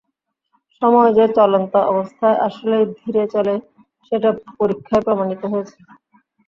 সময় যে চলন্ত অবস্থায় আসলেই ধীরে চলে সেটা পরীক্ষায় প্রমাণিত হয়েছে।